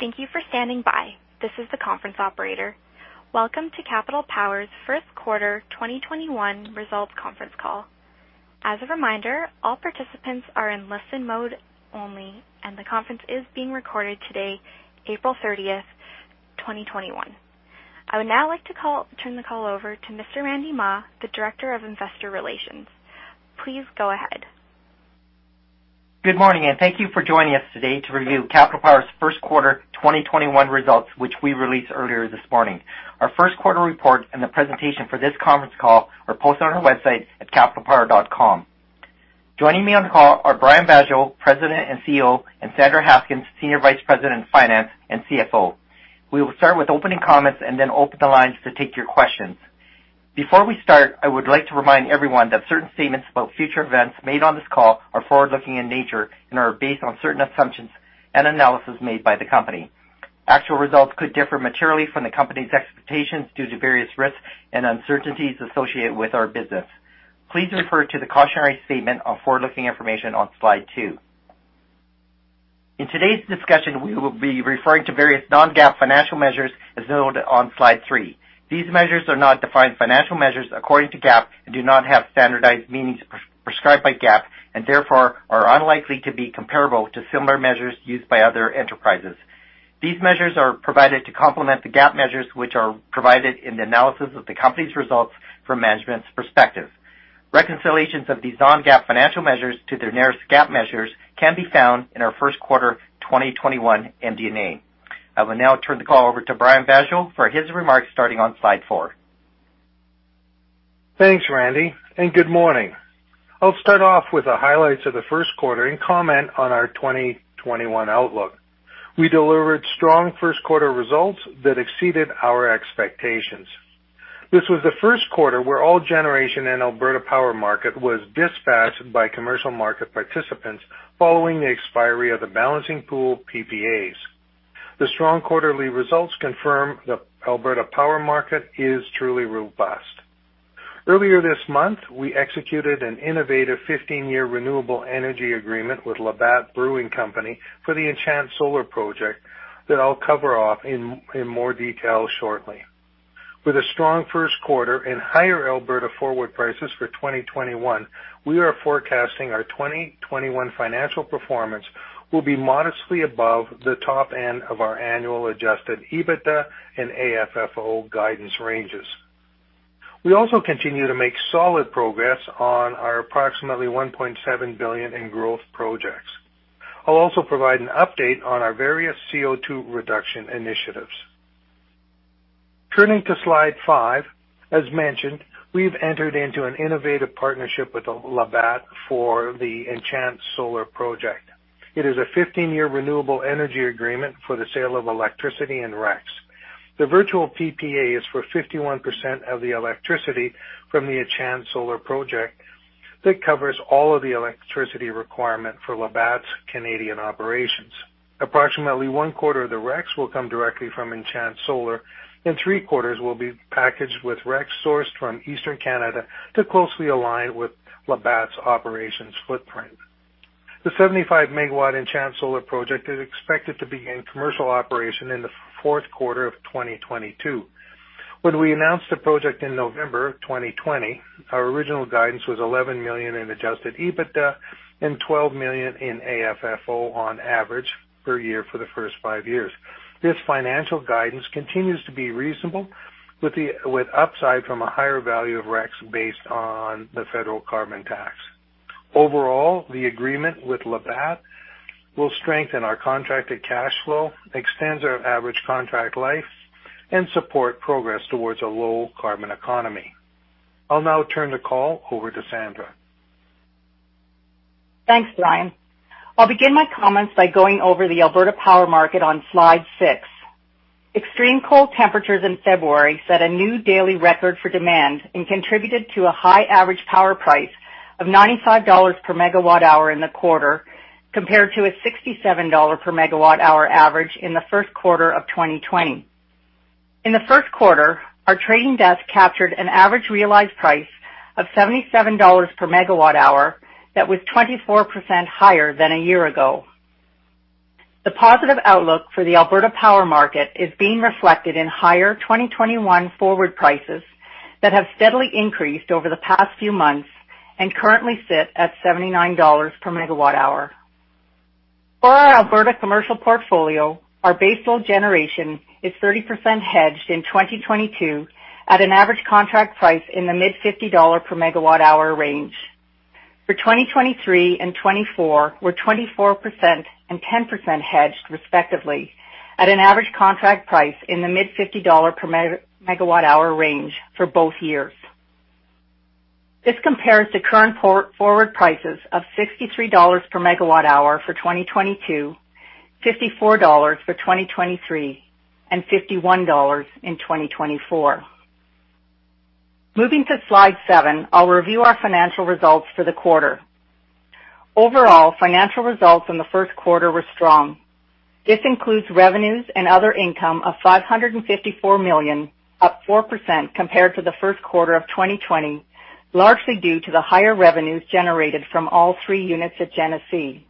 Thank you for standing by. This is the conference operator. Welcome to Capital Power's First Quarter 2021 Results Conference Call. As a reminder, all participants are in listen mode only, and the conference is being recorded today, April 30th, 2021. I would now like to turn the call over to Mr. Randy Mah, the Director of Investor Relations. Please go ahead. Good morning, and thank you for joining us today to review Capital Power's first quarter 2021 results, which we released earlier this morning. Our first quarter report and the presentation for this conference call are posted on our website at capitalpower.com. Joining me on the call are Brian Vaasjo, President and CEO, and Sandra Haskins, Senior Vice President of Finance and CFO. We will start with opening comments and then open the lines to take your questions. Before we start, I would like to remind everyone that certain statements about future events made on this call are forward-looking in nature and are based on certain assumptions and analysis made by the company. Actual results could differ materially from the company's expectations due to various risks and uncertainties associated with our business. Please refer to the cautionary statement on forward-looking information on slide two. In today's discussion, we will be referring to various non-GAAP financial measures as noted on slide three. These measures are not defined financial measures according to GAAP and do not have standardized meanings prescribed by GAAP and therefore are unlikely to be comparable to similar measures used by other enterprises. These measures are provided to complement the GAAP measures, which are provided in the analysis of the company's results from management's perspective. Reconciliations of these non-GAAP financial measures to their nearest GAAP measures can be found in our first quarter 2021 MD&A. I will now turn the call over to Brian Vaasjo for his remarks starting on slide four. Thanks, Randy. Good morning. I'll start off with the highlights of the first quarter and comment on our 2021 outlook. We delivered strong first quarter results that exceeded our expectations. This was the first quarter where all generation in Alberta Power market was dispatched by commercial market participants following the expiry of the Balancing Pool PPAs. The strong quarterly results confirm the Alberta Power market is truly robust. Earlier this month, we executed an innovative 15-year renewable energy agreement with Labatt Brewing Company for the Enchant Solar project that I'll cover off in more detail shortly. With a strong first quarter and higher Alberta forward prices for 2021, we are forecasting our 2021 financial performance will be modestly above the top end of our annual Adjusted EBITDA and AFFO guidance ranges. We also continue to make solid progress on our approximately 1.7 billion in growth projects. I'll also provide an update on our various CO2 reduction initiatives. Turning to slide five, as mentioned, we've entered into an innovative partnership with Labatt for the Enchant Solar project. It is a 15-year renewable energy agreement for the sale of electricity and RECs. The virtual PPA is for 51% of the electricity from the Enchant Solar project that covers all of the electricity requirement for Labatt's Canadian operations. Approximately one quarter of the RECs will come directly from Enchant Solar, and three quarters will be packaged with RECs sourced from Eastern Canada to closely align with Labatt's operations footprint. The 75 MW Enchant Solar project is expected to begin commercial operation in the fourth quarter of 2022. When we announced the project in November 2020, our original guidance was 11 million in Adjusted EBITDA and 12 million in AFFO on average per year for the first five years. This financial guidance continues to be reasonable with upside from a higher value of RECs based on the federal carbon tax. Overall, the agreement with Labatt will strengthen our contracted cash flow, extends our average contract life, and support progress towards a low-carbon economy. I'll now turn the call over to Sandra. Thanks, Brian. I'll begin my comments by going over the Alberta Power market on slide six. Extreme cold temperatures in February set a new daily record for demand and contributed to a high average power price of 95 dollars per MWh in the quarter, compared to a 67 dollar per MWh average in the first quarter of 2020. In the first quarter, our trading desk captured an average realized price of 77 dollars per MWh that was 24% higher than a year ago. The positive outlook for the Alberta Power market is being reflected in higher 2021 forward prices that have steadily increased over the past few months and currently sit at 79 dollars per MWh. For our Alberta commercial portfolio, our baseload generation is 30% hedged in 2022 at an average contract price in the mid-CAD 50 per MWh range. For 2023 and 2024, we're 24% and 10% hedged, respectively, at an average contract price in the mid-CAD 50 per MWh range for both years. This compares to current forward prices of 63 dollars per MWh for 2022, CAD 54 for 2023, and 51 dollars in 2024. Moving to slide seven, I'll review our financial results for the quarter. Overall, financial results in the first quarter were strong. This includes revenues and other income of 554 million, up 4% compared to the first quarter of 2020, largely due to the higher revenues generated from all three units at Genesee.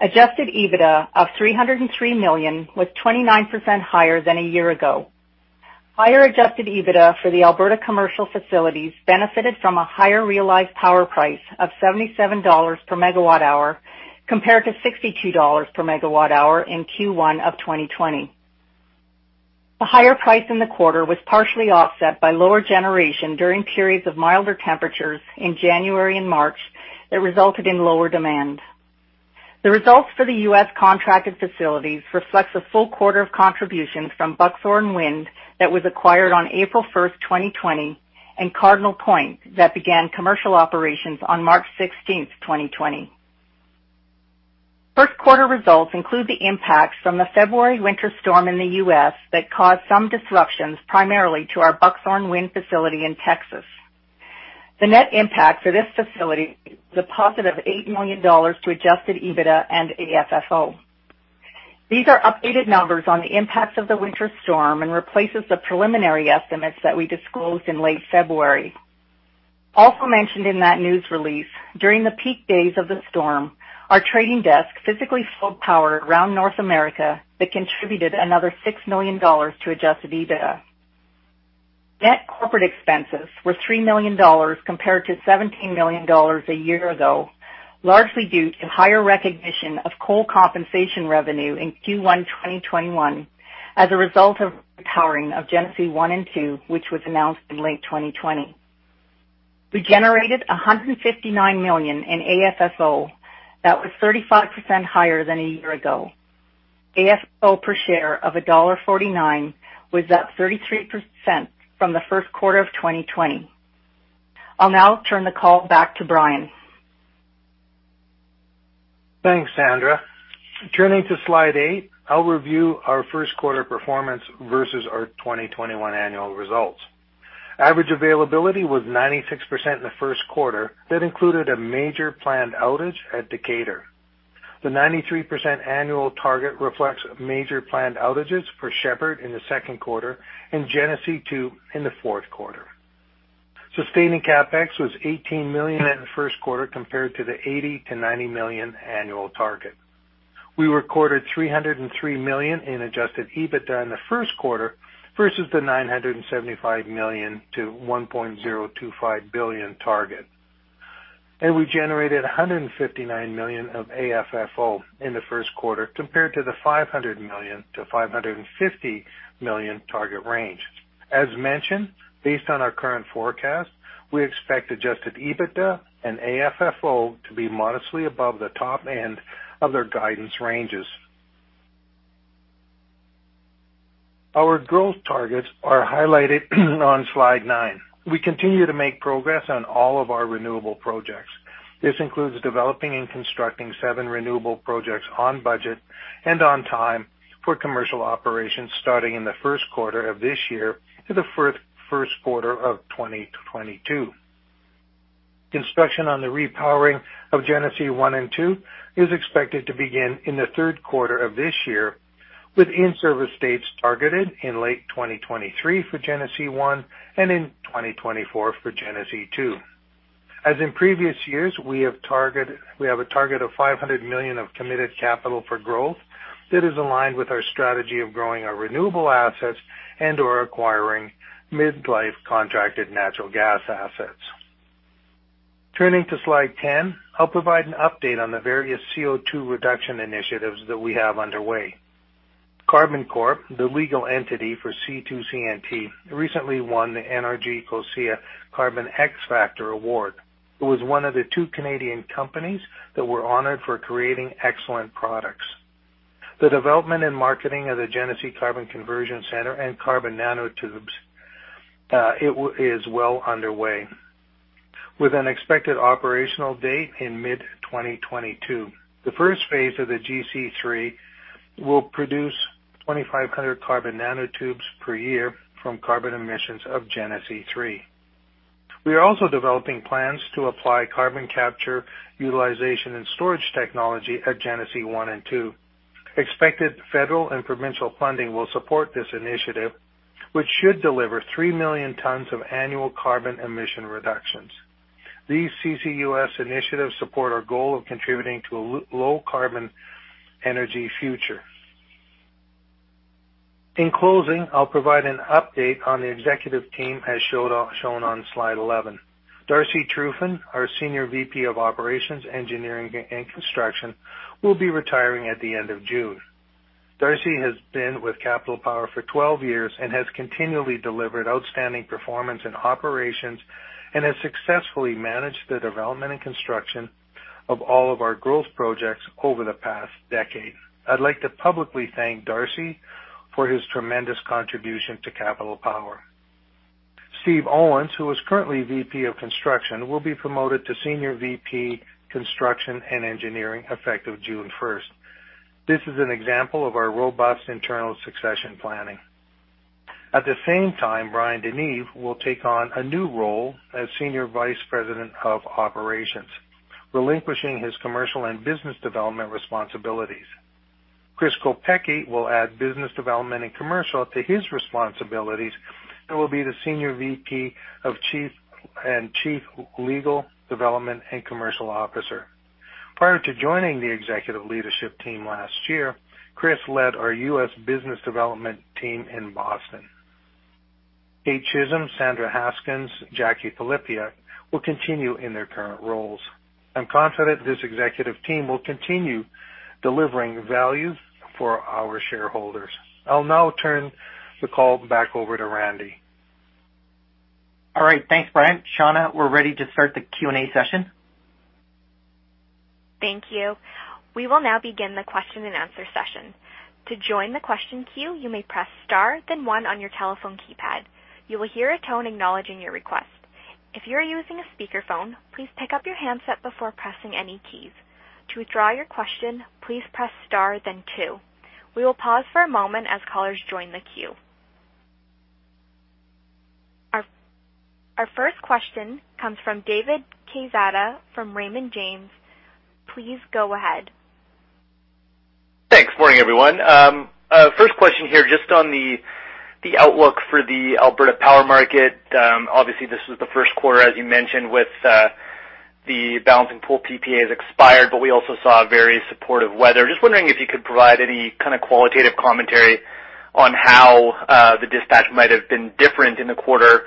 Adjusted EBITDA of 303 million was 29% higher than a year ago. Higher Adjusted EBITDA for the Alberta commercial facilities benefited from a higher realized power price of 77 dollars per MWh, compared to 62 dollars per MWh in Q1 of 2020. The higher price in the quarter was partially offset by lower generation during periods of milder temperatures in January and March that resulted in lower demand. The results for the U.S. contracted facilities reflects a full quarter of contributions from Buckthorn Wind that was acquired on April 1st, 2020, and Cardinal Point Wind that began commercial operations on March 16th, 2020. First quarter results include the impacts from the February winter storm in the U.S. that caused some disruptions, primarily to our Buckthorn Wind facility in Texas. The net impact for this facility was a positive 8 million dollars to Adjusted EBITDA and AFFO. These are updated numbers on the impacts of the winter storm and replaces the preliminary estimates that we disclosed in late February. Also mentioned in that news release, during the peak days of the storm, our trading desk physically flowed power around North America that contributed another 6 million dollars to Adjusted EBITDA. Net corporate expenses were 3 million dollars compared to 17 million dollars a year ago, largely due to higher recognition of coal compensation revenue in Q1 2021 as a result of repowering of Genesee 1 and 2, which was announced in late 2020. We generated 159 million in AFFO. That was 35% higher than a year ago. AFFO per share of dollar 1.49 was up 33% from the first quarter of 2020. I'll now turn the call back to Brian. Thanks, Sandra. Turning to slide eight, I'll review our first quarter performance versus our 2021 annual results. Average availability was 96% in the first quarter. That included a major planned outage at Decatur. The 93% annual target reflects major planned outages for Shepard in the second quarter and Genesee 2 in the fourth quarter. Sustaining Capex was 18 million in the first quarter, compared to the 80 million-90 million annual target. We recorded 303 million in Adjusted EBITDA in the first quarter versus the 975 million-1.025 billion target. We generated 159 million of AFFO in the first quarter compared to the 500 million-550 million target range. As mentioned, based on our current forecast, we expect Adjusted EBITDA and AFFO to be modestly above the top end of their guidance ranges. Our growth targets are highlighted on slide nine. We continue to make progress on all of our renewable projects. This includes developing and constructing seven renewable projects on budget and on time for commercial operations starting in the first quarter of this year to the first quarter of 2022. Construction on the repowering of Genesee 1 and 2 is expected to begin in the third quarter of this year, with in-service dates targeted in late 2023 for Genesee 1 and in 2024 for Genesee 2. As in previous years, we have a target of 500 million of committed capital for growth that is aligned with our strategy of growing our renewable assets and/or acquiring mid-life contracted natural gas assets. Turning to slide 10, I'll provide an update on the various CO2 reduction initiatives that we have underway. Carbon Corp, the legal entity for C2CNT, recently won the NRG COSIA Carbon XPRIZE. It was one of the two Canadian companies that were honored for creating excellent products. The development and marketing of the Genesee Carbon Conversion Centre and carbon nanotubes, is well underway, with an expected operational date in mid-2022. The first phase of the GC3 will produce 2,500 carbon nanotubes per year from carbon emissions of Genesee 3. We are also developing plans to apply carbon capture, utilization, and storage technology at Genesee 1 and 2. Expected federal and provincial funding will support this initiative, which should deliver 3 million tons of annual carbon emission reductions. These CCUS initiatives support our goal of contributing to a low-carbon energy future. In closing, I'll provide an update on the executive team as shown on slide 11. Darcy Trufyn, our Senior VP of Operations, Engineering and Construction, will be retiring at the end of June. Darcy has been with Capital Power for 12 years and has continually delivered outstanding performance in operations and has successfully managed the development and construction of all of our growth projects over the past decade. I'd like to publicly thank Darcy for his tremendous contribution to Capital Power. Steve Owens, who is currently VP of Construction, will be promoted to Senior VP, Construction and Engineering, effective June 1st. This is an example of our robust internal succession planning. At the same time, Bryan DeNeve will take on a new role as Senior Vice President of Operations, relinquishing his commercial and business development responsibilities. Chris Kopecky will add business development and commercial to his responsibilities and will be the Senior VP and Chief Legal, Development and Commercial Officer. Prior to joining the executive leadership team last year, Chris led our U.S. business development team in Boston. Kate Chisholm, Sandra Haskins, Jacquie Pylypiuk will continue in their current roles. I'm confident this executive team will continue delivering value for our shareholders. I'll now turn the call back over to Randy. All right. Thanks, Brian. Shauna, we're ready to start the Q&A session. Thank you. We will now begin the question-and-answer session. To join the question queue, you may press star then one on your telephone keypad. You will hear a tone acknowledging your request. If you are using a speakerphone, please pick up your handset before pressing any keys. To withdraw your question, please press star then two. We will pause for a moment as callers join the queue. Our first question comes from David Quezada from Raymond James. Please go ahead. Thanks. Morning, everyone. First question here, just on the outlook for the Alberta power market. Obviously, this was the first quarter, as you mentioned, with the Balancing Pool PPAs expired. We also saw very supportive weather. Just wondering if you could provide any kind of qualitative commentary on how the dispatch might have been different in the quarter,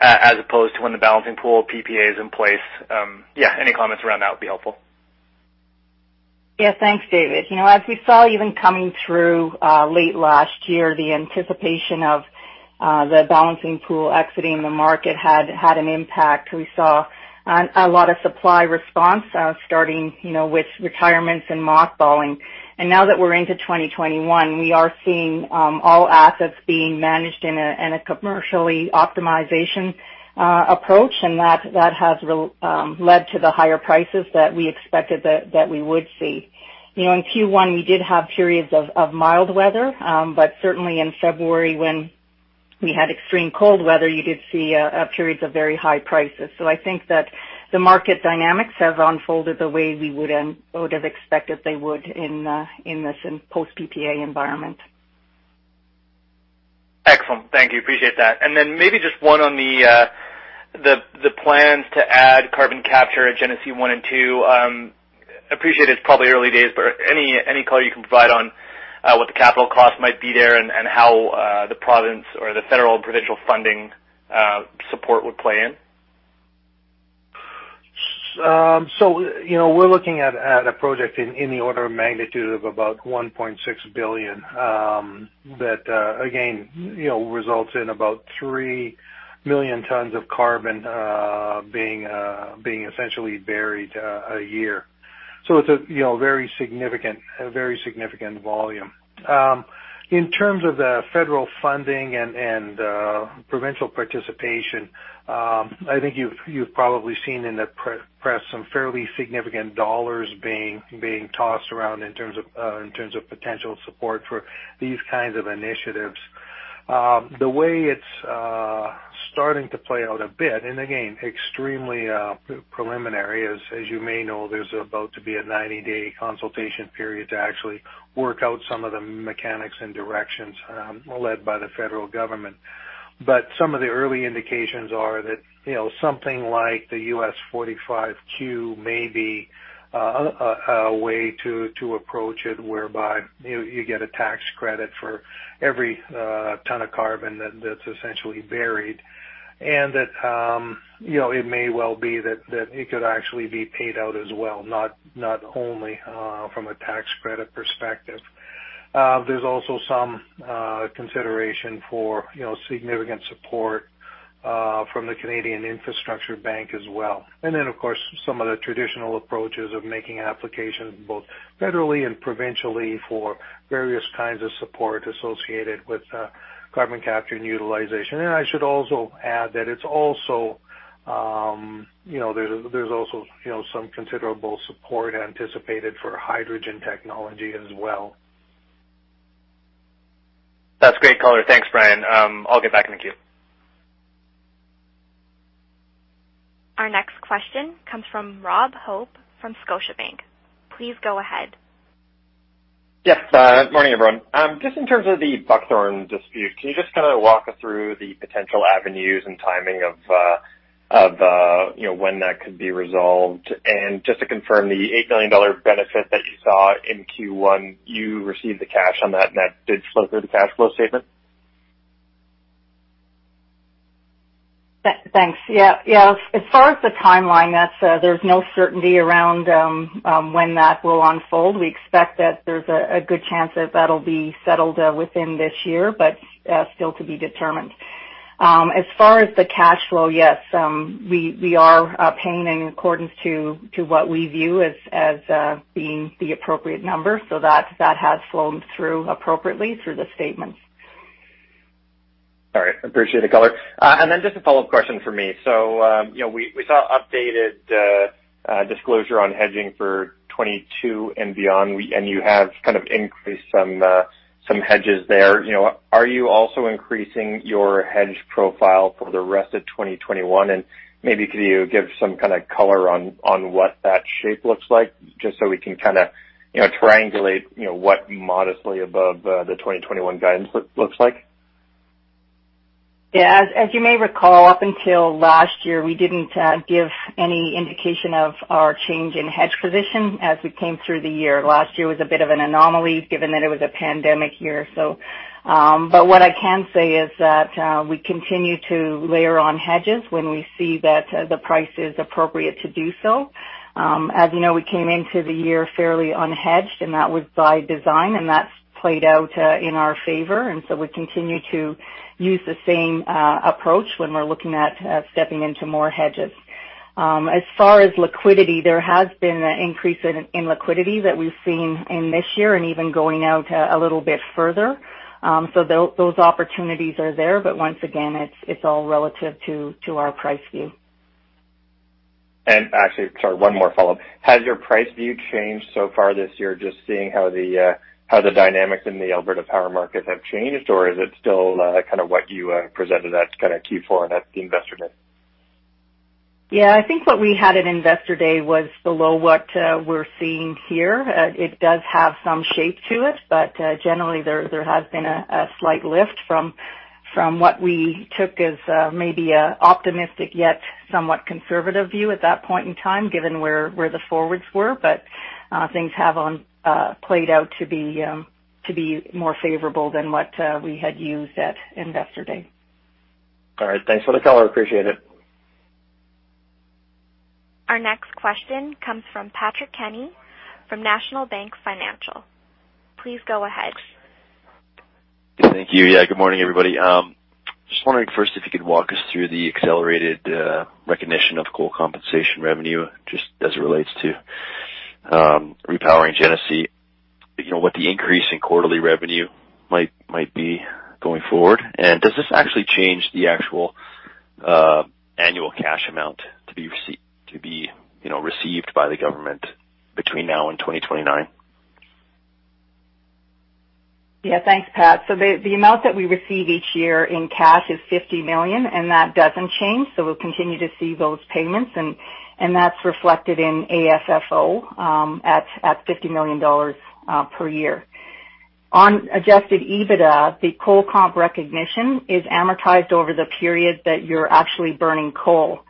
as opposed to when the Balancing Pool PPA is in place. Any comments around that would be helpful. Yeah. Thanks, David. As we saw even coming through late last year, the anticipation of the Balancing Pool exiting the market had an impact. We saw a lot of supply response starting with retirements and mothballing. Now that we're into 2021, we are seeing all assets being managed in a commercially optimization approach, and that has led to the higher prices that we expected that we would see. In Q1, we did have periods of mild weather. Certainly in February, when we had extreme cold weather, you did see periods of very high prices. I think that the market dynamics have unfolded the way we would have expected they would in this in post-PPA environment. Excellent. Thank you. Appreciate that. Then maybe just one on the plans to add carbon capture at Genesee 1 and 2. Appreciate it's probably early days, but any color you can provide on what the capital cost might be there and how the province or the federal provincial funding support would play in? We're looking at a project in the order of magnitude of about 1.6 billion, that again, results in about 3 million tons of carbon being essentially buried a year. In terms of the federal funding and provincial participation, I think you've probably seen in the press some fairly significant dollars being tossed around in terms of potential support for these kinds of initiatives. The way it's starting to play out a bit, again, extremely preliminary, as you may know, there's about to be a 90-day consultation period to actually work out some of the mechanics and directions led by the federal government. Some of the early indications are that something like the U.S. 45Q may be a way to approach it, whereby you get a tax credit for every ton of carbon that's essentially buried. That it may well be that it could actually be paid out as well, not only from a tax credit perspective. There's also some consideration for significant support from the Canada Infrastructure Bank as well. Of course, some of the traditional approaches of making applications both federally and provincially for various kinds of support associated with carbon capture and utilization. I should also add that there's also some considerable support anticipated for hydrogen technology as well. That's great color. Thanks, Brian. I'll get back in the queue. Our next question comes from Rob Hope from Scotiabank. Please go ahead. Yes. Good morning, everyone. Just in terms of the Buckthorn dispute, can you just kind of walk us through the potential avenues and timing of when that could be resolved? Just to confirm, the 8 million dollar benefit that you saw in Q1, you received the cash on that, and that did flow through the cash flow statement? Thanks. Yeah. As far as the timeline, there's no certainty around when that will unfold. We expect that there's a good chance that that'll be settled within this year, still to be determined. As far as the cash flow, yes. We are paying in accordance to what we view as being the appropriate number. That has flown through appropriately through the statements. All right. Appreciate the color. Just a follow-up question from me. We saw updated disclosure on hedging for 2022 and beyond. You have kind of increased some hedges there. Are you also increasing your hedge profile for the rest of 2021? Maybe could you give some kind of color on what that shape looks like, just so we can kind of triangulate what modestly above the 2021 guidance looks like? Yeah. As you may recall, up until last year, we didn't give any indication of our change in hedge position as we came through the year. Last year was a bit of an anomaly given that it was a pandemic year. What I can say is that we continue to layer on hedges when we see that the price is appropriate to do so. As you know, we came into the year fairly unhedged, and that was by design, and that's played out in our favor. We continue to use the same approach when we're looking at stepping into more hedges. As far as liquidity, there has been an increase in liquidity that we've seen in this year and even going out a little bit further. Those opportunities are there, but once again, it's all relative to our price view. Actually, sorry, one more follow-up. Has your price view changed so far this year, just seeing how the dynamics in the Alberta power markets have changed, or is it still kind of what you presented at kind of Q4 at the Investor Day? Yeah, I think what we had at Investor Day was below what we're seeing here. It does have some shape to it, but generally, there has been a slight lift from what we took as maybe an optimistic yet somewhat conservative view at that point in time, given where the forwards were. Things have played out to be more favorable than what we had used at Investor Day. All right. Thanks for the color. Appreciate it. Our next question comes from Patrick Kenny from National Bank Financial. Please go ahead. Thank you. Yeah, good morning, everybody. Just wondering first if you could walk us through the accelerated recognition of coal compensation revenue, just as it relates to repowering Genesee. What the increase in quarterly revenue might be going forward, and does this actually change the actual annual cash amount to be received by the government between now and 2029? Thanks, Pat. The amount that we receive each year in cash is 50 million, and that doesn't change. We'll continue to see those payments, and that's reflected in AFFO at 50 million dollars per year. On Adjusted EBITDA, the coal comp recognition is amortized over the period that you're actually burning coal.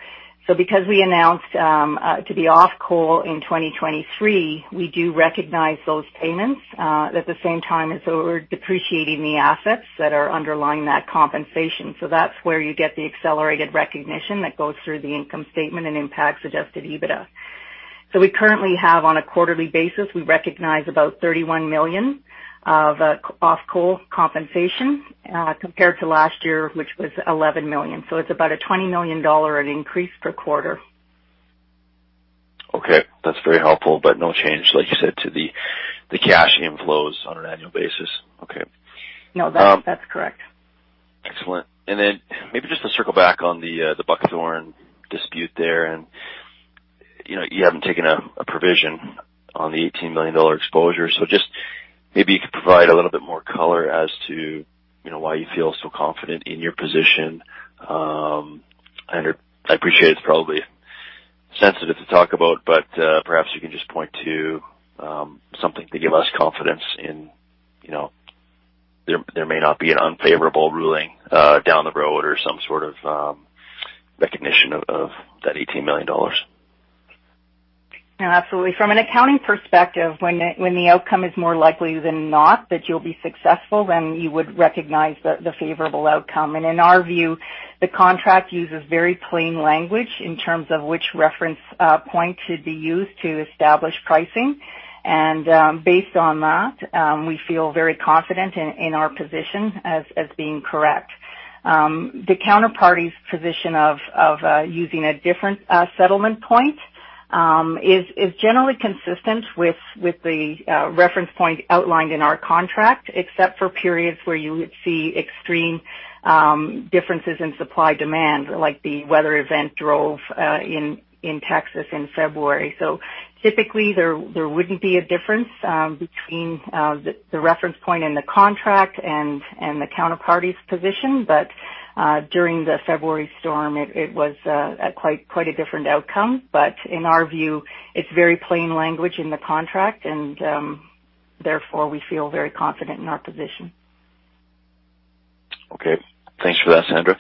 Because we announced to be off coal in 2023, we do recognize those payments. At the same time, we're depreciating the assets that are underlying that compensation. That's where you get the accelerated recognition that goes through the income statement and impacts Adjusted EBITDA. We currently have on a quarterly basis, we recognize about 31 million of off-coal compensation, compared to last year, which was 11 million. It's about a 20 million dollar increase per quarter. Okay. That's very helpful. No change, like you said, to the cash inflows on an annual basis. Okay. No, that's correct. Excellent. Then maybe just to circle back on the Buckthorn dispute there, you haven't taken a provision on the 18 million dollar exposure. Just maybe you could provide a little bit more color as to why you feel so confident in your position. I appreciate it's probably sensitive to talk about, but perhaps you can just point to something to give us confidence in there may not be an unfavorable ruling down the road or some sort of recognition of that 18 million dollars. No, absolutely. From an accounting perspective, when the outcome is more likely than not that you'll be successful, then you would recognize the favorable outcome. In our view, the contract uses very plain language in terms of which reference point should be used to establish pricing. Based on that, we feel very confident in our position as being correct. The counterparty's position of using a different settlement point is generally consistent with the reference point outlined in our contract, except for periods where you would see extreme differences in supply-demand, like the weather event drove in Texas in February. Typically, there wouldn't be a difference between the reference point in the contract and the counterparty's position. During the February storm, it was quite a different outcome. In our view, it's very plain language in the contract, and therefore, we feel very confident in our position. Okay. Thanks for that, Sandra.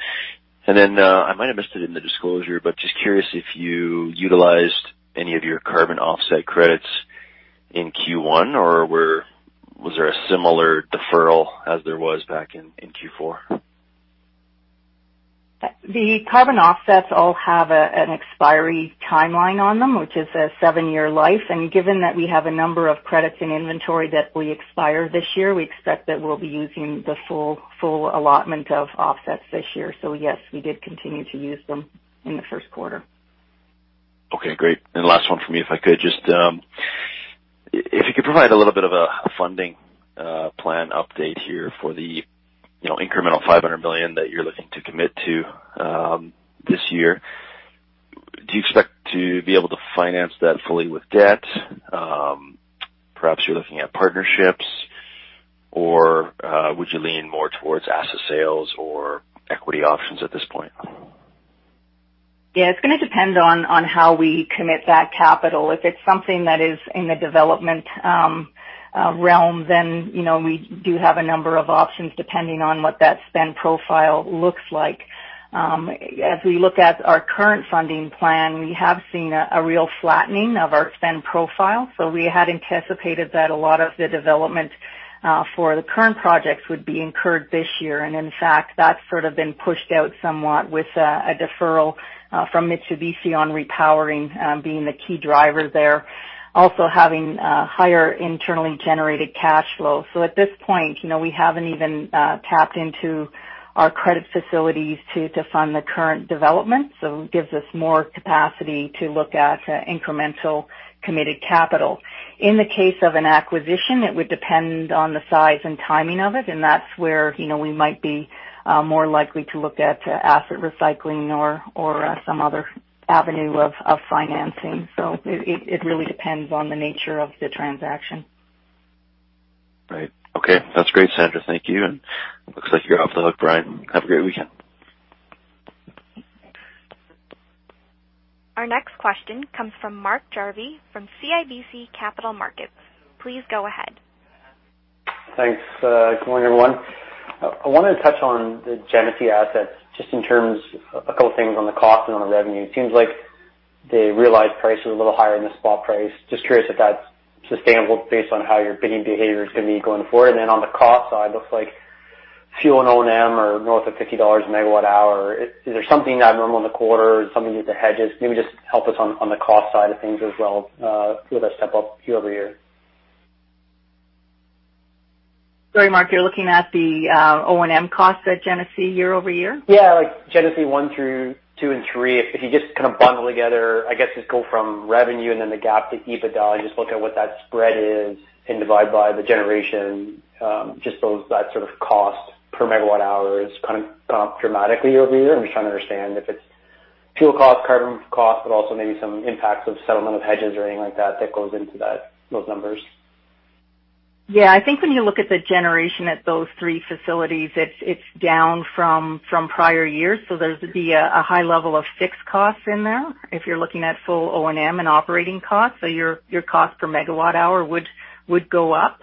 I might have missed it in the disclosure, but just curious if you utilized any of your carbon offset credits in Q1, or was there a similar deferral as there was back in Q4? The carbon offsets all have an expiry timeline on them, which is a seven-year life. Given that we have a number of credits in inventory that will expire this year, we expect that we will be using the full allotment of offsets this year. Yes, we did continue to use them in the first quarter. Okay, great. Last one from me, if I could. Just if you could provide a little bit of a funding plan update here for the incremental 500 million that you're looking to commit to this year. Do you expect to be able to finance that fully with debt? Perhaps you're looking at partnerships, or would you lean more towards asset sales or equity options at this point? Yeah, it's going to depend on how we commit that capital. If it's something that is in the development realm, then we do have a number of options depending on what that spend profile looks like. As we look at our current funding plan, we have seen a real flattening of our spend profile. We had anticipated that a lot of the development for the current projects would be incurred this year. In fact, that's sort of been pushed out somewhat with a deferral from Mitsubishi on repowering being the key driver there, also having higher internally generated cash flow. At this point, we haven't even tapped into our credit facilities to fund the current development. It gives us more capacity to look at incremental committed capital. In the case of an acquisition, it would depend on the size and timing of it, and that's where we might be more likely to look at asset recycling or some other avenue of financing. It really depends on the nature of the transaction. Right. Okay. That's great, Sandra. Thank you, and looks like you're off the hook, Brian. Have a great weekend. Our next question comes from Mark Jarvi from CIBC Capital Markets. Please go ahead. Thanks. Good morning, everyone. I wanted to touch on the Genesee assets, just in terms of a couple things on the cost and on the revenue. It seems like the realized price was a little higher than the spot price. Just curious if that's sustainable based on how your bidding behavior is going to be going forward. On the cost side, looks like fuel and O&M are north of 50 dollars a MWh. Is there something abnormal in the quarter or something with the hedges? Maybe just help us on the cost side of things as well with a step up year-over-year. Sorry, Mark, you're looking at the O&M cost at Genesee year-over-year? Like Genesee 1 through 2 and 3. If you bundle together, go from revenue and then the gap to EBITDA and look at what that spread is and divide by the generation. That cost per MWh is up dramatically year-over-year. I'm just trying to understand if it's fuel cost, carbon cost, but also maybe some impacts of settlement of hedges or anything like that that goes into those numbers. Yeah, I think when you look at the generation at those three facilities, it's down from prior years. There would be a high level of fixed costs in there if you're looking at full O&M and operating costs. Your cost per MWh would go up,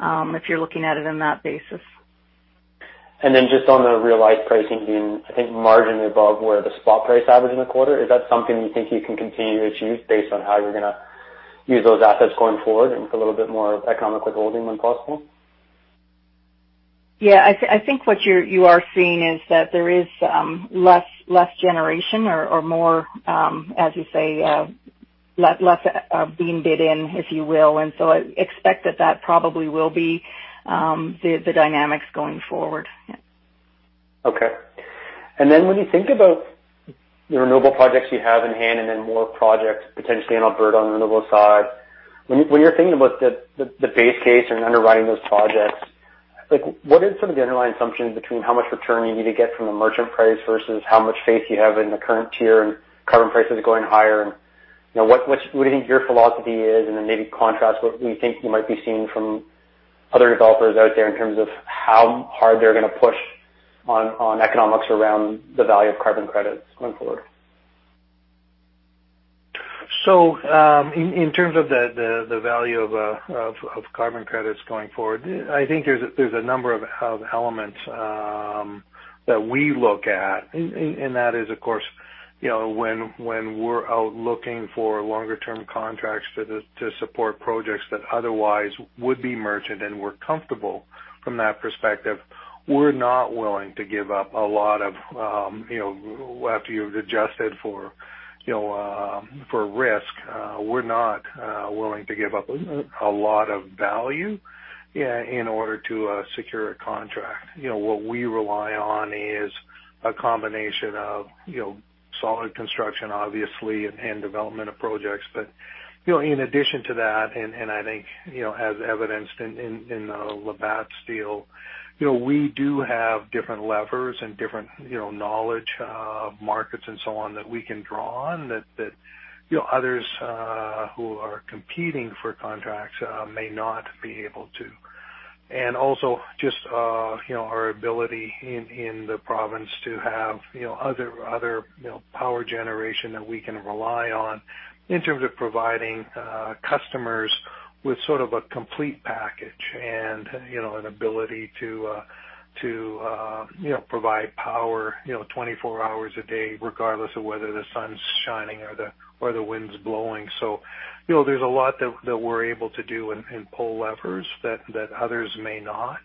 if you're looking at it on that basis. Just on the realized pricing being, I think, marginally above where the spot price averaged in the quarter, is that something you think you can continue to achieve based on how you're going to use those assets going forward and for a little bit more economical holding when possible? Yeah, I think what you are seeing is that there is less generation or more, as you say, less being bid in, if you will. I expect that that probably will be the dynamics going forward. Yeah. Okay. When you think about the renewable projects you have in hand and then more projects potentially in Alberta on the renewable side, when you're thinking about the base case and underwriting those projects, what is some of the underlying assumptions between how much return you need to get from the merchant price versus how much faith you have in the current tier and carbon prices going higher? What do you think your philosophy is? Maybe contrast what you think you might be seeing from other developers out there in terms of how hard they're going to push on economics around the value of carbon credits going forward. In terms of the value of carbon credits going forward, I think there's a number of elements that we look at. That is, of course, when we're out looking for longer-term contracts to support projects that otherwise would be merchant and we're comfortable from that perspective, we're not willing to give up a lot of, after you've adjusted for risk, we're not willing to give up a lot of value in order to secure a contract. What we rely on is a combination of solid construction, obviously, and development of projects. In addition to that, and I think as evidenced in the Labatt deal, we do have different levers and different knowledge of markets and so on that we can draw on that others who are competing for contracts may not be able to. Also just our ability in the province to have other power generation that we can rely on in terms of providing customers with sort of a complete package and an ability to provide power 24 hours a day, regardless of whether the sun's shining or the wind's blowing. There's a lot that we're able to do and pull levers that others may not.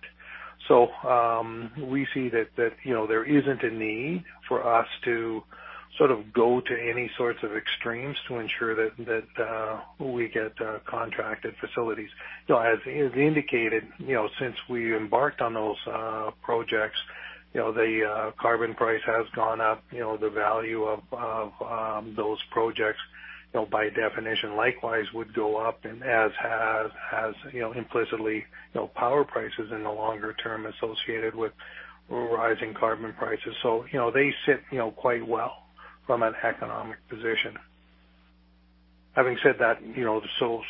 We see that there isn't a need for us to sort of go to any sorts of extremes to ensure that we get contracted facilities. As indicated, since we embarked on those projects, the carbon price has gone up. The value of those projects, by definition, likewise would go up, and as has implicitly power prices in the longer term associated with rising carbon prices. They sit quite well from an economic position. Having said that, so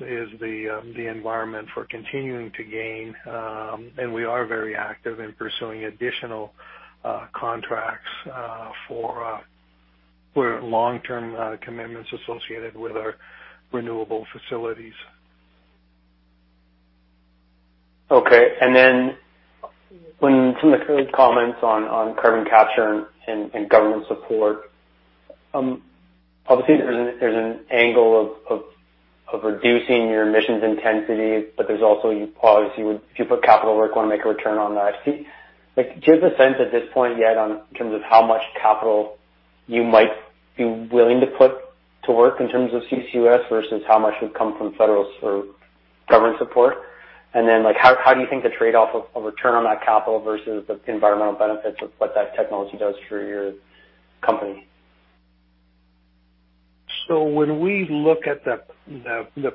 is the environment for continuing to gain. We are very active in pursuing additional contracts for long-term commitments associated with our renewable facilities. Okay. From the comments on carbon capture and government support, obviously there is an angle of reducing your emissions intensity, but there is also, obviously, if you put capital work, want to make a return on that. Do you have a sense at this point yet in terms of how much capital you might be willing to put to work in terms of CCUS versus how much would come from federal or government support? How do you think the trade-off of return on that capital versus the environmental benefits of what that technology does for your company? When we look at the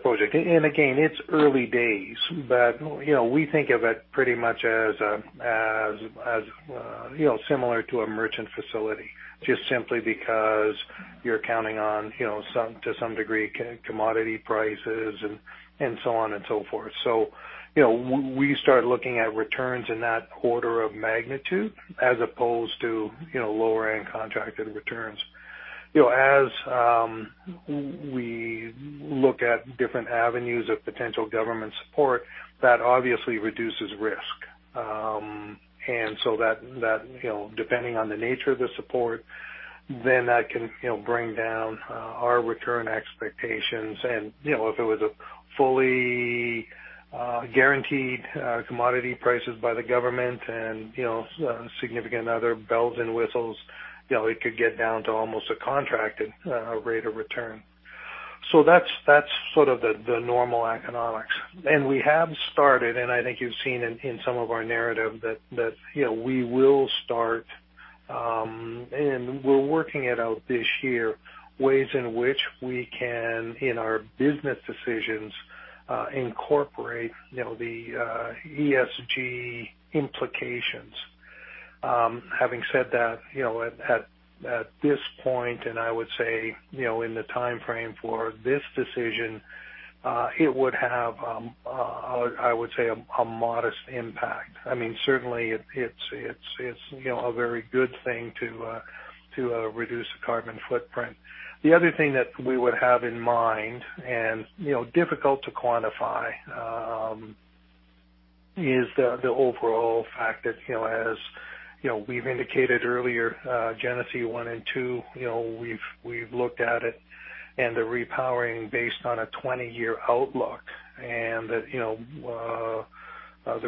project, and again, it's early days, but we think of it pretty much as similar to a merchant facility, just simply because you're counting on, to some degree, commodity prices and so on and so forth. We start looking at returns in that order of magnitude as opposed to lower-end contracted returns. As we look at different avenues of potential government support, that obviously reduces risk. Depending on the nature of the support, then that can bring down our return expectations. If it was a fully guaranteed commodity prices by the government and significant other bells and whistles, it could get down to almost a contracted rate of return. That's sort of the normal economics. We have started, and I think you've seen in some of our narrative that we will start, and we're working it out this year, ways in which we can, in our business decisions, incorporate the ESG implications. Having said that, at this point, and I would say in the timeframe for this decision, it would have, I would say, a modest impact. Certainly it's a very good thing to reduce the carbon footprint. The other thing that we would have in mind, and difficult to quantify, is the overall fact that, as we've indicated earlier, Genesee 1 and 2, we've looked at it and the repowering based on a 20-year outlook. The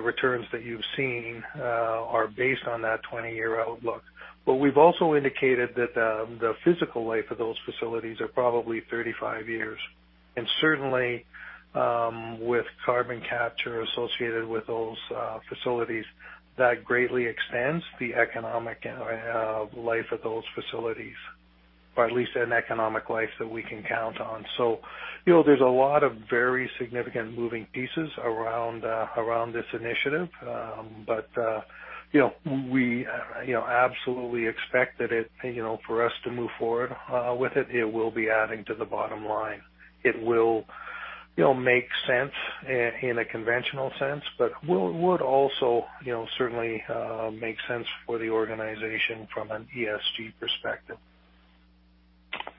returns that you've seen are based on that 20-year outlook. We've also indicated that the physical life of those facilities are probably 35 years. Certainly, with carbon capture associated with those facilities, that greatly extends the economic life of those facilities, or at least an economic life that we can count on. There's a lot of very significant moving pieces around this initiative. We absolutely expect that for us to move forward with it will be adding to the bottom line. It will make sense in a conventional sense, but would also certainly make sense for the organization from an ESG perspective.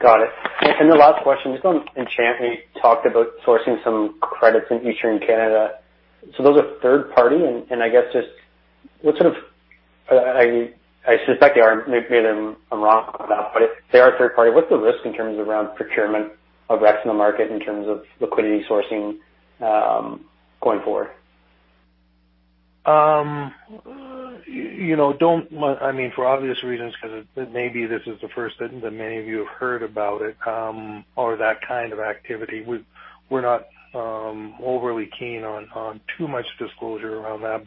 Got it. The last question, just on Enchant talked about sourcing some credits in Eastern Canada. Those are third party and I suspect they are, maybe I'm wrong on that, but if they are third party, what's the risk in terms around procurement of RECs in the market in terms of liquidity sourcing going forward? For obvious reasons, because maybe this is the first that many of you have heard about it or that kind of activity, we're not overly keen on too much disclosure around that.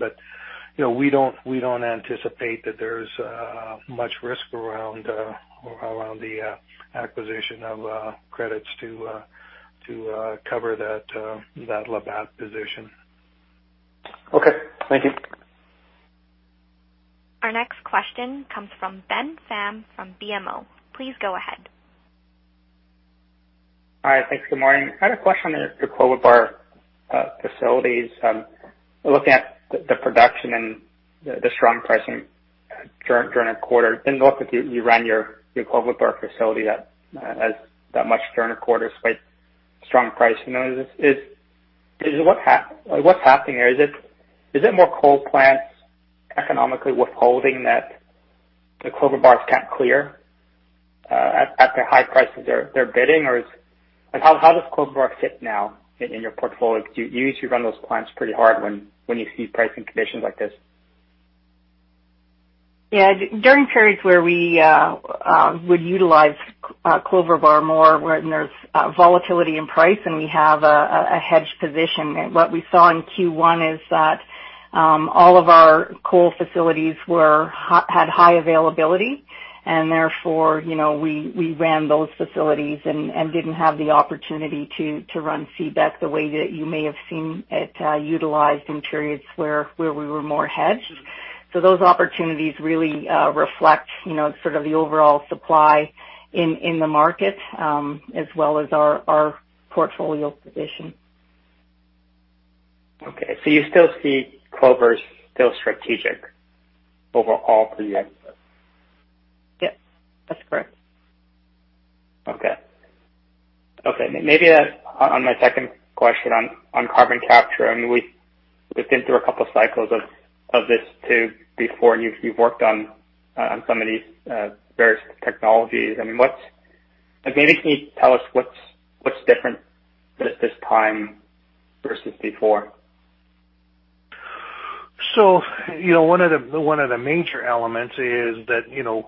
We don't anticipate that there's much risk around the acquisition of credits to cover that Labatt position. Okay. Thank you. Our next question comes from Ben Pham from BMO. Please go ahead. All right. Thanks. Good morning. I had a question on your Clover Bar facilities. Looking at the production and the strong pricing during a quarter, didn't know if you ran your Clover Bar facility that much during a quarter, despite strong pricing. What's happening there? Is it more coal plants economically withholding that the Clover Bar's kept clear at the high prices they're bidding? How does Clover Bar fit now in your portfolio? Do you usually run those plants pretty hard when you see pricing conditions like this? Yeah. During periods where we would utilize Clover Bar more when there's volatility in price and we have a hedged position. What we saw in Q1 is that all of our coal facilities had high availability, and therefore, we ran those facilities and didn't have the opportunity to run Seabeck the way that you may have seen it utilized in periods where we were more hedged. Those opportunities really reflect the overall supply in the market, as well as our portfolio position. Okay. you still see Clover as still strategic overall for you? Yes, that's correct. Okay. Maybe on my second question on carbon capture, we've been through a couple cycles of this too before, and you've worked on some of these various technologies. Maybe can you tell us what's different this time versus before? One of the major elements is that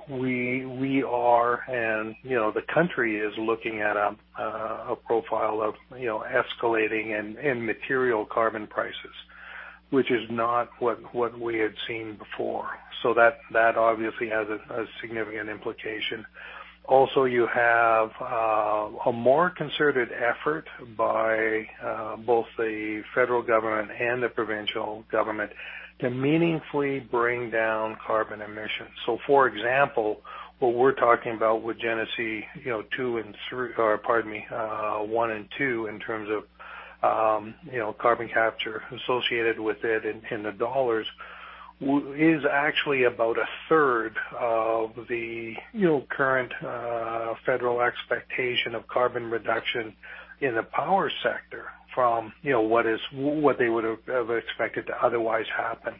we are, and the country is looking at a profile of escalating and material carbon prices, which is not what we had seen before. That obviously has a significant implication. Also, you have a more concerted effort by both the federal government and the provincial government to meaningfully bring down carbon emissions. For example, what we're talking about with Genesee one and two in terms of carbon capture associated with it in the dollars is actually about a third of the current federal expectation of carbon reduction in the power sector from what they would have expected to otherwise happen.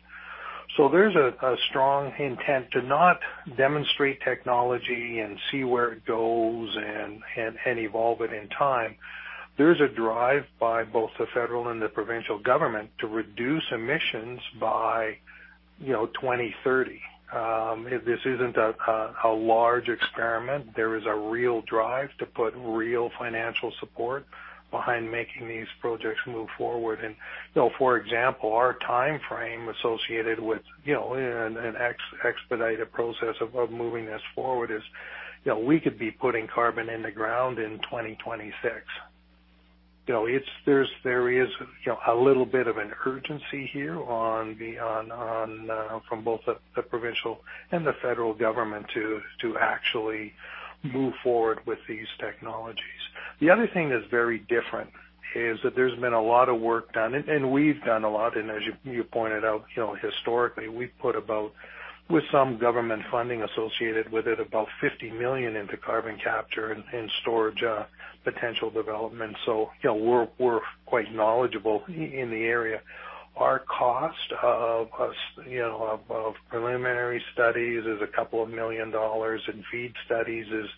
There's a strong intent to not demonstrate technology and see where it goes and evolve it in time. There's a drive by both the federal and the provincial government to reduce emissions by 2030. This isn't a large experiment. There is a real drive to put real financial support behind making these projects move forward. For example, our timeframe associated with an expedited process of moving this forward is, we could be putting carbon in the ground in 2026. There is a little bit of an urgency here from both the provincial and the federal government to actually move forward with these technologies. The other thing that is very different is that there has been a lot of work done, and we have done a lot, and as you pointed out, historically, we have put about, with some government funding associated with it, about 50 million into carbon capture and storage potential development. We are quite knowledgeable in the area. Our cost of preliminary studies is a couple of million dollars, and FEED studies is,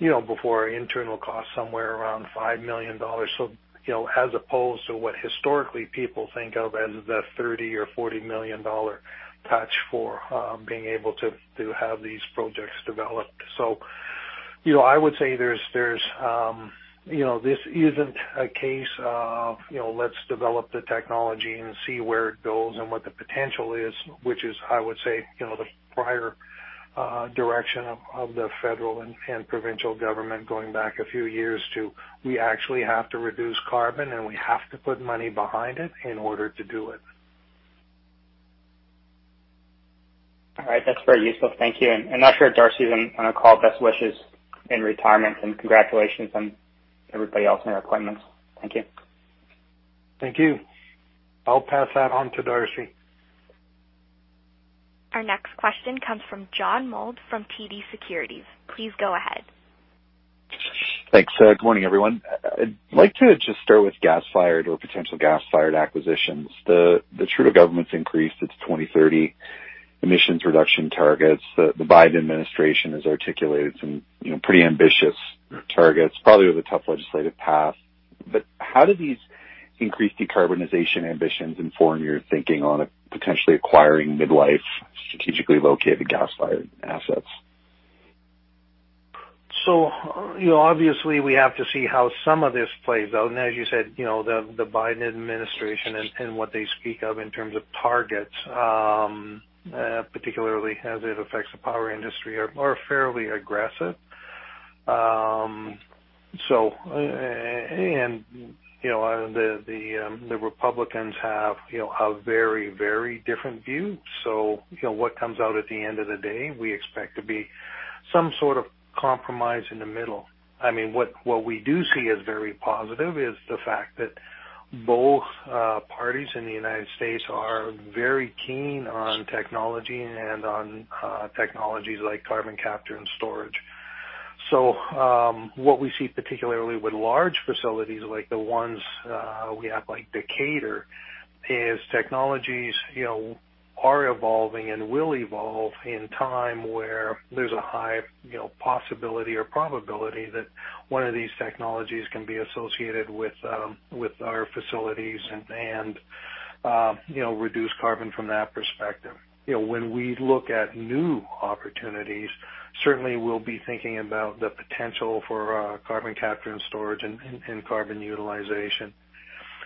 before internal costs, somewhere around 5 million dollars. As opposed to what historically people think of as the 30 million or 40 million dollar touch for being able to have these projects developed. I would say this isn't a case of let's develop the technology and see where it goes and what the potential is, which is, I would say, the prior direction of the federal and provincial government going back a few years to we actually have to reduce carbon, and we have to put money behind it in order to do it. All right. That's very useful. Thank you. I'm not sure if Darcy's on the call. Best wishes in retirement, and congratulations on everybody else in your appointments. Thank you. Thank you. I'll pass that on to Darcy. Our next question comes from John Mould from TD Securities. Please go ahead. Thanks, sir. Good morning, everyone. I'd like to just start with gas-fired or potential gas-fired acquisitions. The Trudeau government's increased its 2030 emissions reduction targets. The Biden administration has articulated some pretty ambitious targets, probably with a tough legislative path. How do these increased decarbonization ambitions inform your thinking on potentially acquiring mid-life, strategically located gas-fired assets? Obviously we have to see how some of this plays out. As you said, the Biden administration and what they speak of in terms of targets, particularly as it affects the power industry, are fairly aggressive. The Republicans have a very different view. What comes out at the end of the day, we expect to be some sort of compromise in the middle. What we do see as very positive is the fact that both parties in the U.S. are very keen on technology and on technologies like carbon capture and storage. What we see particularly with large facilities like the ones we have, like Decatur, is technologies are evolving and will evolve in time where there's a high possibility or probability that one of these technologies can be associated with our facilities and reduce carbon from that perspective. When we look at new opportunities, certainly we'll be thinking about the potential for carbon capture and storage and carbon utilization.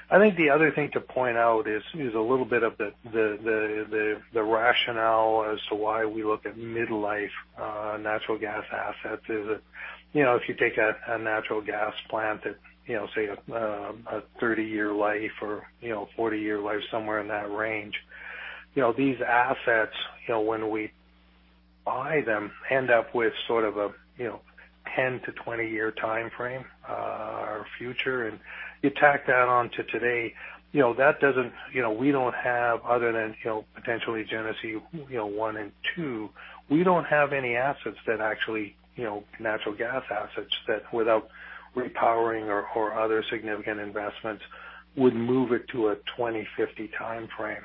I think the other thing to point out is a little bit of the rationale as to why we look at mid-life natural gas assets is that, if you take a natural gas plant that, say, a 30-year life or 40-year life, somewhere in that range, these assets, when we buy them end up with sort of a 10-20 year timeframe, our future. You tack that on to today, we don't have other than potentially Genesee 1 and 2, we don't have any natural gas assets that without repowering or other significant investments, would move it to a 2050 timeframe.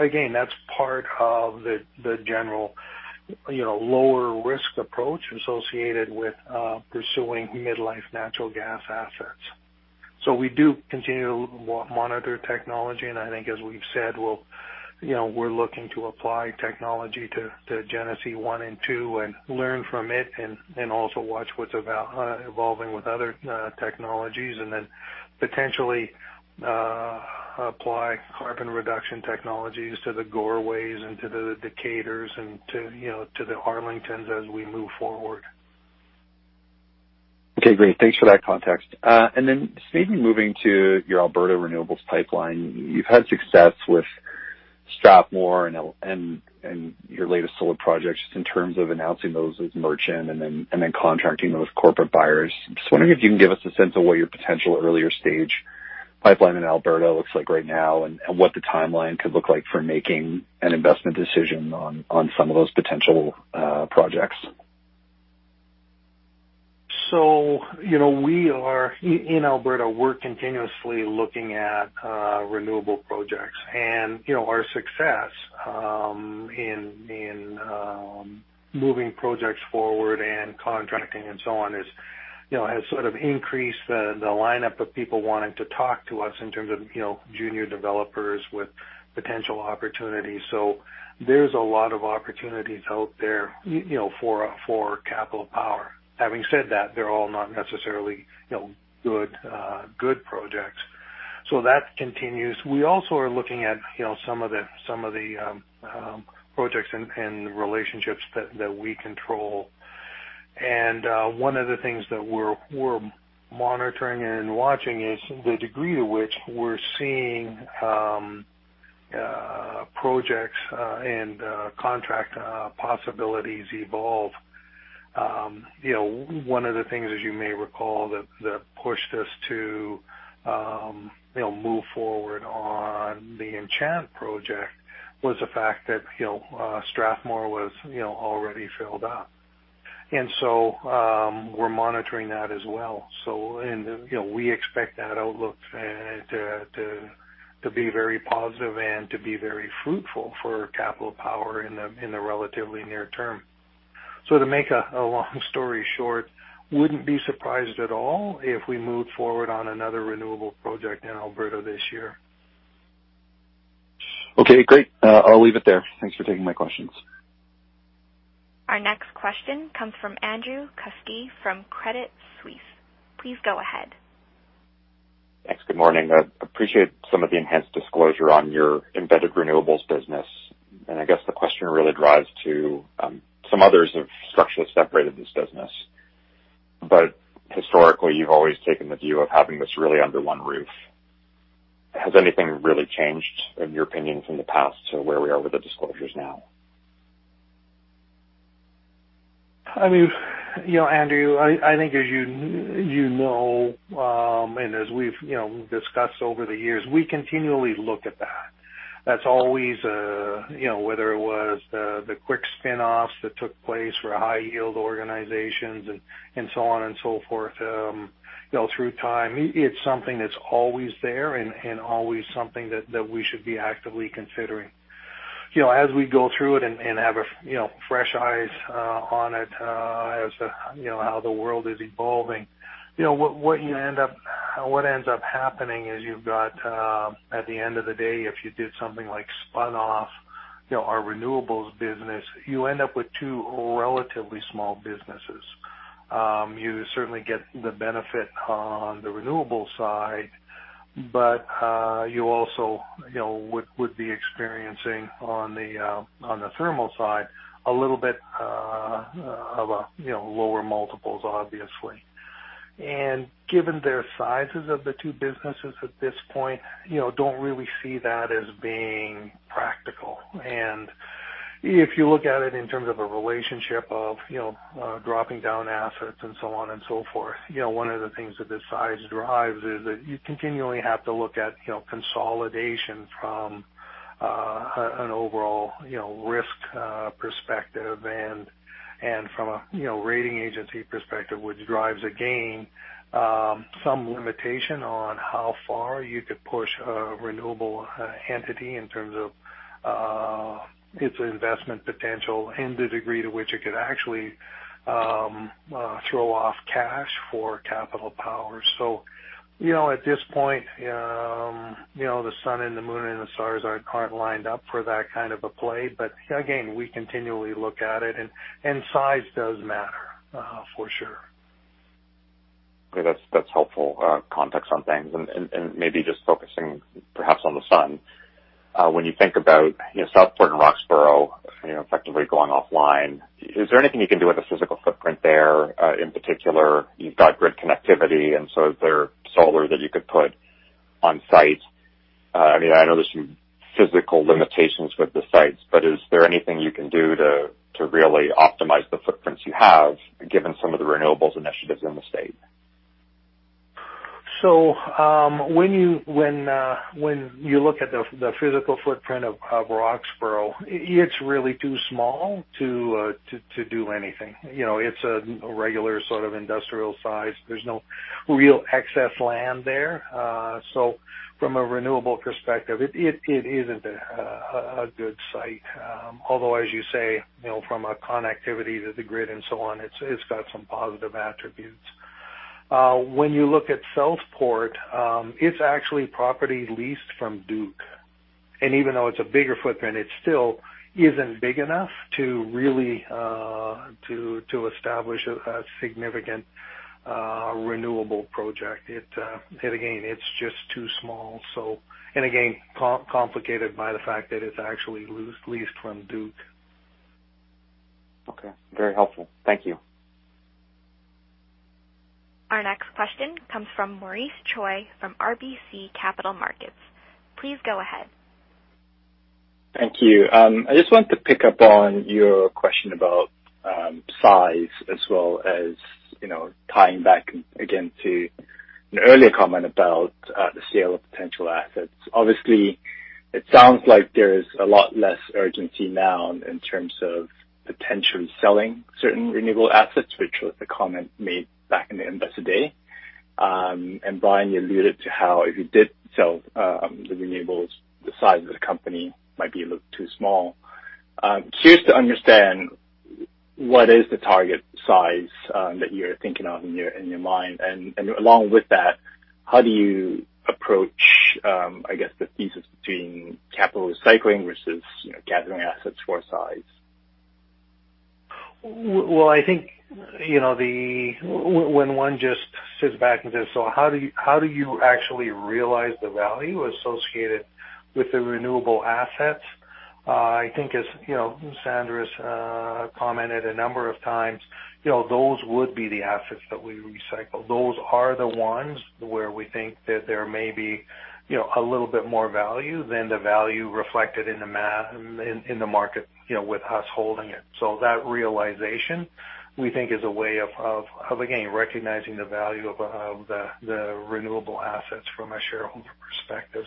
Again, that's part of the general lower risk approach associated with pursuing mid-life natural gas assets. We do continue to monitor technology, and I think as we've said, we're looking to apply technology to Genesee 1 and 2 and learn from it, and also watch what's evolving with other technologies and then potentially apply carbon reduction technologies to the Goreways and to the Decaturs and to the Arlingtons as we move forward. Okay, great. Thanks for that context. Maybe moving to your Alberta renewables pipeline. You've had success with Strathmore and your latest solar projects just in terms of announcing those as merchant and then contracting those corporate buyers. I'm just wondering if you can give us a sense of what your potential earlier stage pipeline in Alberta looks like right now, and what the timeline could look like for making an investment decision on some of those potential projects. In Alberta, we're continuously looking at renewable projects. Our success in moving projects forward and contracting and so on has sort of increased the lineup of people wanting to talk to us in terms of junior developers with potential opportunities. There's a lot of opportunities out there for Capital Power. Having said that, they're all not necessarily good projects. That continues. We also are looking at some of the projects and relationships that we control. One of the things that we're monitoring and watching is the degree to which we're seeing projects and contract possibilities evolve. One of the things, as you may recall, that pushed us to move forward on the Enchant project was the fact that Strathmore was already filled up. We're monitoring that as well. We expect that outlook to be very positive and to be very fruitful for Capital Power in the relatively near term. To make a long story short, wouldn't be surprised at all if we moved forward on another renewable project in Alberta this year. Okay, great. I'll leave it there. Thanks for taking my questions. Our next question comes from Andrew Kuske from Credit Suisse. Please go ahead. Thanks. Good morning. I appreciate some of the enhanced disclosure on your embedded renewables business. I guess the question really drives to some others have structurally separated this business. Historically, you've always taken the view of having this really under one roof. Has anything really changed, in your opinion, from the past to where we are with the disclosures now? Andrew, I think as you know, as we've discussed over the years, we continually look at that. That's always, whether it was the quick spinoffs that took place for high-yield organizations and so on and so forth. Through time, it's something that's always there and always something that we should be actively considering. As we go through it and have fresh eyes on it, as how the world is evolving. What ends up happening is you've got, at the end of the day, if you did something like spun off our renewables business, you end up with two relatively small businesses. You certainly get the benefit on the renewables side. You also would be experiencing on the thermal side, a little bit of lower multiples, obviously. Given their sizes of the two businesses at this point, don't really see that as being practical. If you look at it in terms of a relationship of dropping down assets and so on and so forth, one of the things that the size drives is that you continually have to look at consolidation from an overall risk perspective and from a rating agency perspective, which drives, again, some limitation on how far you could push a renewable entity in terms of its investment potential and the degree to which it could actually throw off cash for Capital Power. At this point, the sun and the moon and the stars aren't lined up for that kind of a play. Again, we continually look at it, and size does matter, for sure. Okay. That's helpful context on things. Maybe just focusing perhaps on the sun. When you think about Southport and Roxboro effectively going offline, is there anything you can do with the physical footprint there? In particular, you've got grid connectivity, and so is there solar that you could put on site? I know there's some physical limitations with the sites, but is there anything you can do to really optimize the footprints you have, given some of the renewables initiatives in the state? When you look at the physical footprint of Roxboro, it's really too small to do anything. It's a regular sort of industrial size. There's no real excess land there. From a renewable perspective, it isn't a good site. Although, as you say, from a connectivity to the grid and so on, it's got some positive attributes. When you look at Southport, it's actually property leased from Duke. Even though it's a bigger footprint, it still isn't big enough to really establish a significant renewable project. Again, it's just too small. Again, complicated by the fact that it's actually leased from Duke. Okay. Very helpful. Thank you. Our next question comes from Maurice Choy from RBC Capital Markets. Please go ahead. Thank you. I just want to pick up on your question about size as well as tying back again to an earlier comment about the sale of potential assets. It sounds like there's a lot less urgency now in terms of potentially selling certain renewable assets, which was the comment made back in the Investor Day. Brian, you alluded to how if you did sell the renewables, the size of the company might be a little too small. Curious to understand what is the target size that you're thinking of in your mind. Along with that, how do you approach, I guess the thesis between capital recycling versus gathering assets for size? Well, I think when one just sits back and says, so how do you actually realize the value associated with the renewable assets? I think as Sandra's commented a number of times, those would be the assets that we recycle. Those are the ones where we think that there may be a little bit more value than the value reflected in the market with us holding it. That realization, we think is a way of, again, recognizing the value of the renewable assets from a shareholder perspective.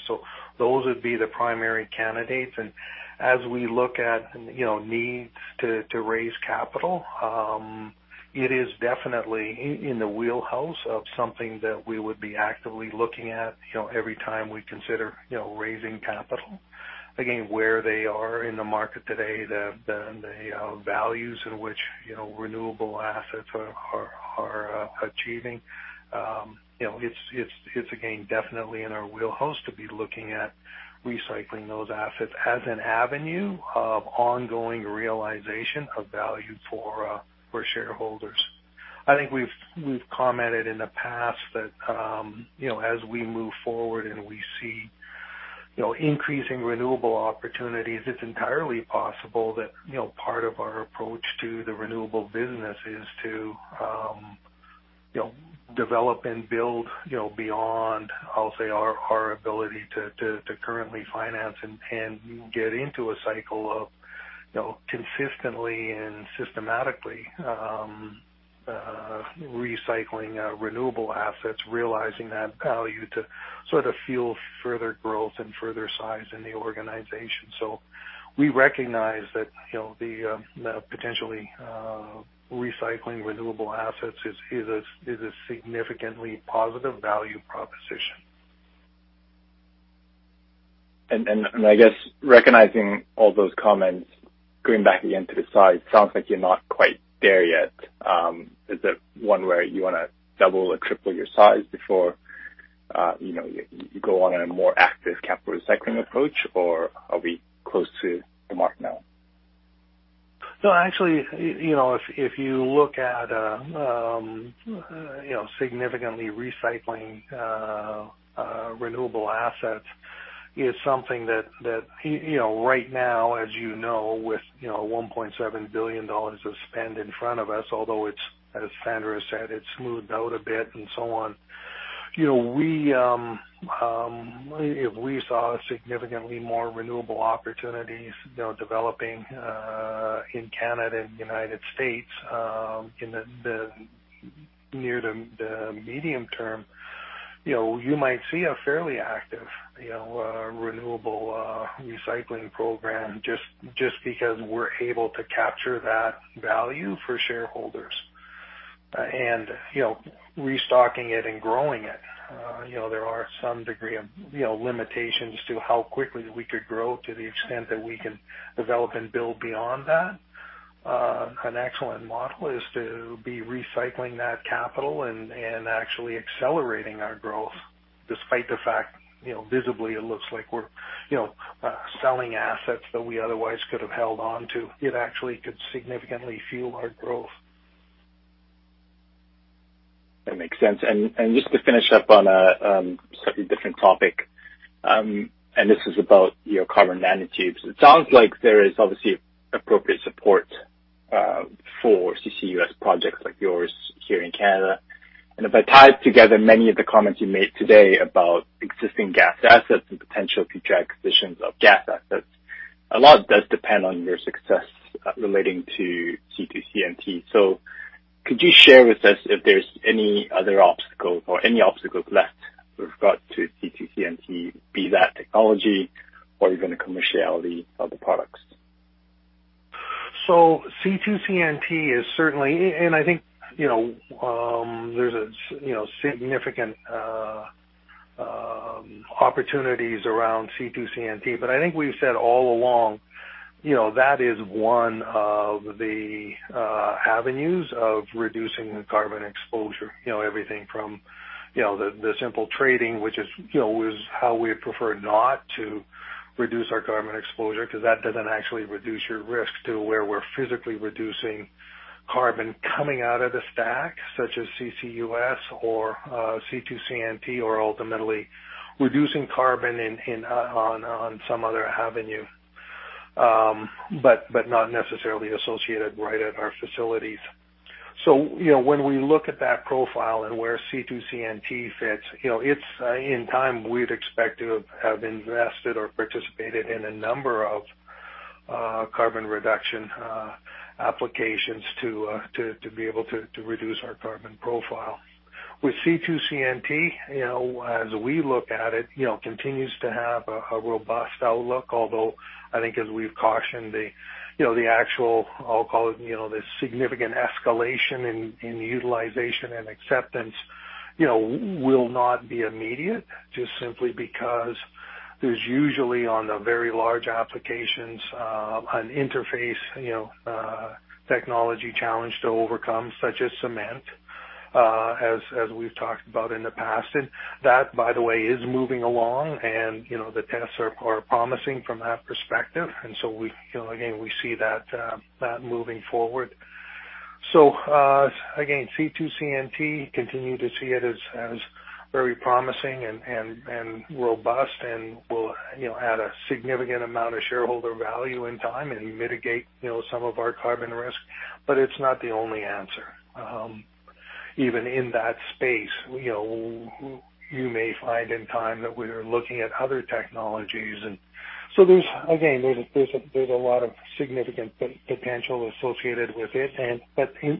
Those would be the primary candidates. As we look at needs to raise capital, it is definitely in the wheelhouse of something that we would be actively looking at every time we consider raising capital. Again, where they are in the market today, the values in which renewable assets are achieving. It's again, definitely in our wheelhouse to be looking at recycling those assets as an avenue of ongoing realization of value for shareholders. I think we've commented in the past that as we move forward and we see increasing renewable opportunities, it's entirely possible that part of our approach to the renewable business is to develop and build beyond, I'll say, our ability to currently finance and get into a cycle of consistently and systematically recycling renewable assets, realizing that value to sort of fuel further growth and further size in the organization. We recognize that potentially recycling renewable assets is a significantly positive value proposition. I guess recognizing all those comments, going back again to the size, sounds like you're not quite there yet. Is it one where you want to double or triple your size before you go on a more active capital recycling approach? Are we close to the mark now? No, actually, if you look at significantly recycling renewable assets is something that right now, as you know, with 1.7 billion dollars of spend in front of us, although as Sandra said, it's smoothed out a bit and so on. If we saw significantly more renewable opportunities developing in Canada and the United States near the medium term, you might see a fairly active renewable recycling program just because we're able to capture that value for shareholders. Restocking it and growing it. There are some degree of limitations to how quickly we could grow to the extent that we can develop and build beyond that. An excellent model is to be recycling that capital and actually accelerating our growth despite the fact visibly it looks like we're selling assets that we otherwise could have held on to. It actually could significantly fuel our growth. That makes sense. Just to finish up on a slightly different topic, this is about your carbon nanotubes. It sounds like there is obviously appropriate support for CCUS projects like yours here in Canada. If I tie together many of the comments you made today about existing gas assets and potential future acquisitions of gas assets, a lot does depend on your success relating to C2CNT. Could you share with us if there's any other obstacles or any obstacles left with regard to C2CNT, be that technology or even the commerciality of the products? C2CNT is certainly. I think there's significant opportunities around C2CNT, but I think we've said all along, that is one of the avenues of reducing the carbon exposure. Everything from the simple trading, which is how we prefer not to reduce our carbon exposure because that doesn't actually reduce your risk to where we're physically reducing carbon coming out of the stack, such as CCUS or C2CNT or ultimately reducing carbon on some other avenue, not necessarily associated right at our facilities. When we look at that profile and where C2CNT fits, it's in time we'd expect to have invested or participated in a number of carbon reduction applications to be able to reduce our carbon profile. With C2CNT, as we look at it, continues to have a robust outlook. As we've cautioned, the actual, I'll call it, the significant escalation in utilization and acceptance will not be immediate just simply because there's usually, on the very large applications, an interface technology challenge to overcome, such as cement as we've talked about in the past. That, by the way, is moving along and the tests are promising from that perspective. Again, we see that moving forward. Again, C2CNT, continue to see it as very promising and robust and will add a significant amount of shareholder value in time and mitigate some of our carbon risk. It's not the only answer. Even in that space, you may find in time that we are looking at other technologies. Again, there's a lot of significant potential associated with it.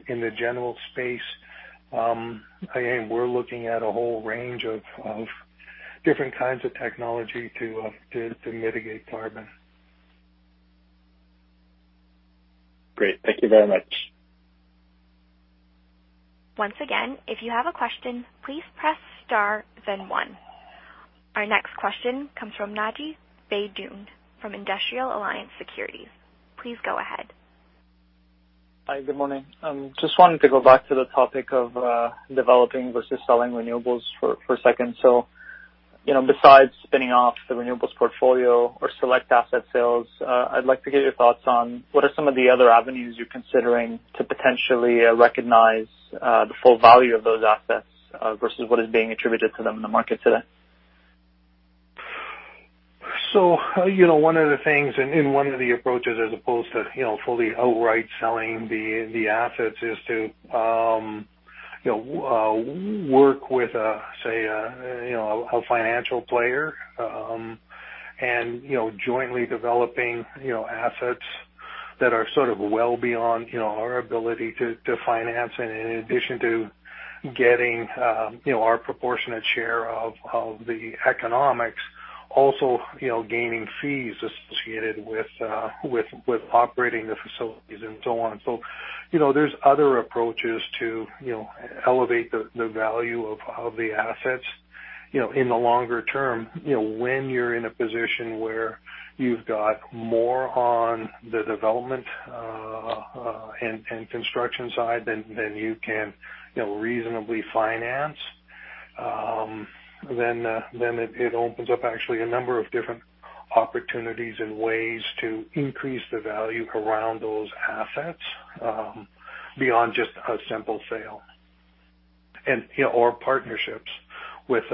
In the general space, again, we're looking at a whole range of different kinds of technology to mitigate carbon. Great. Thank you very much. Once again, if you have a question, please press star then one. Our next question comes from Naji Baydoun from Industrial Alliance Securities. Please go ahead. Hi. Good morning. Just wanted to go back to the topic of developing versus selling renewables for a second. Besides spinning off the renewables portfolio or select asset sales, I'd like to get your thoughts on what are some of the other avenues you're considering to potentially recognize the full value of those assets versus what is being attributed to them in the market today? One of the things and one of the approaches as opposed to fully outright selling the assets is to work with, say a financial player, and jointly developing assets that are sort of well beyond our ability to finance. In addition to getting our proportionate share of the economics also gaining fees associated with operating the facilities and so on. There's other approaches to elevate the value of the assets in the longer term when you're in a position where you've got more on the development and construction side than you can reasonably finance. It opens up actually a number of different opportunities and ways to increase the value around those assets beyond just a simple sale or partnerships with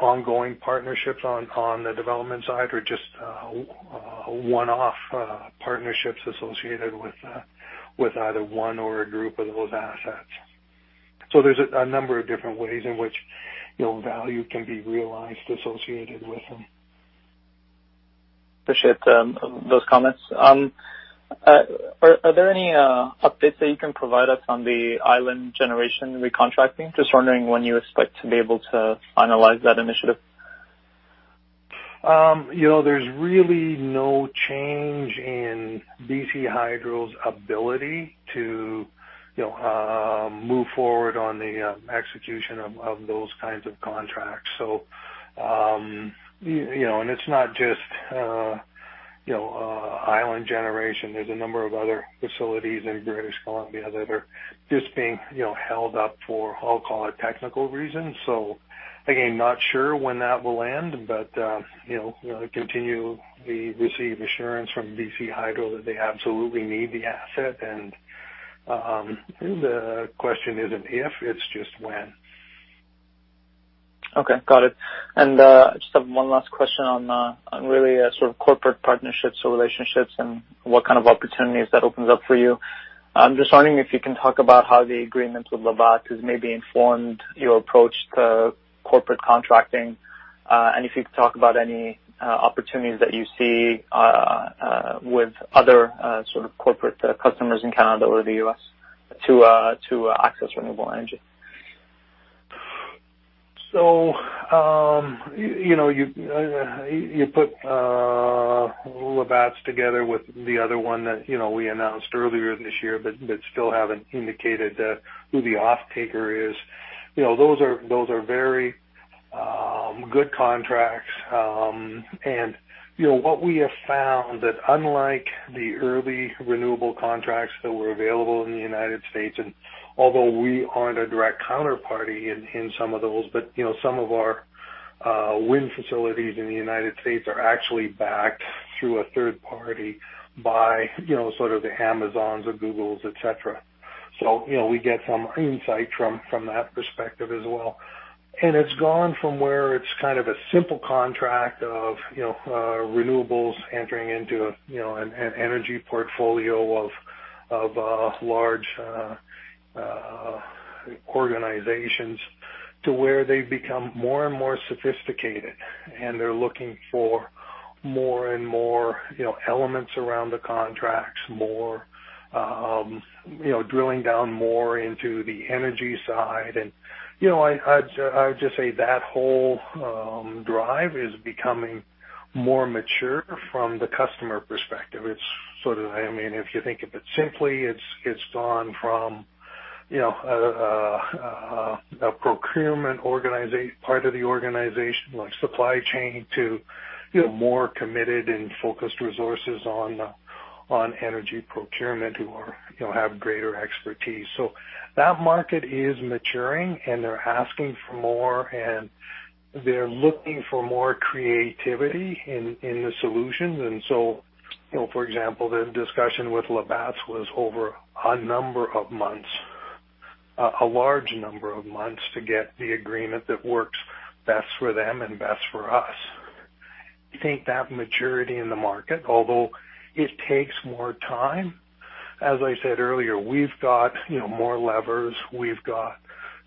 ongoing partnerships on the development side or just one-off partnerships associated with either one or a group of those assets. There's a number of different ways in which value can be realized associated with them. Appreciate those comments. Are there any updates that you can provide us on the Island Generation re-contracting? Just wondering when you expect to be able to finalize that initiative. There's really no change in BC Hydro's ability to move forward on the execution of those kinds of contracts. It's not just Island Generation. There's a number of other facilities in British Columbia that are just being held up for, I'll call it technical reasons. Again, not sure when that will end, but we continue to receive assurance from BC Hydro that they absolutely need the asset. The question isn't if, it's just when. Okay, got it. I just have one last question on really sort of corporate partnerships or relationships and what kind of opportunities that opens up for you. I'm just wondering if you can talk about how the agreement with Labatt has maybe informed your approach to corporate contracting, and if you could talk about any opportunities that you see with other sort of corporate customers in Canada or the U.S. to access renewable energy. You put Labatt together with the other one that we announced earlier this year, but still haven't indicated who the off-taker is. Those are very good contracts. What we have found that unlike the early renewable contracts that were available in the U.S., and although we aren't a direct counterparty in some of those. Some of our wind facilities in the U.S. are actually backed through a third party by sort of the Amazon or Google, et cetera. We get some insight from that perspective as well. It's gone from where it's kind of a simple contract of renewables entering into an energy portfolio of large organizations to where they've become more and more sophisticated, and they're looking for more and more elements around the contracts, drilling down more into the energy side. I would just say that whole drive is becoming more mature from the customer perspective. If you think of it simply, it's gone from a procurement part of the organization, like supply chain, to more committed and focused resources on energy procurement who have greater expertise. That market is maturing, and they're asking for more, and they're looking for more creativity in the solutions. For example, the discussion with Labatt's was over a number of months, a large number of months, to get the agreement that works best for them and best for us. I think that maturity in the market, although it takes more time. As I said earlier, we've got more levers. We've got